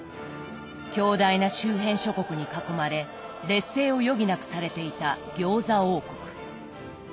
強大な周辺諸国に囲まれ劣勢を余儀なくされていた餃子王国。